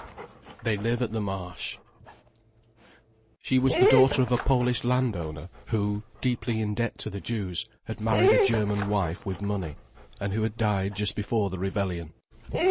THEY LIVE AT THE MARSH She was the daughter of a Polish landowner who, deeply in debt to the Jews, had married a German wife with money, and who had died just before the rebellion.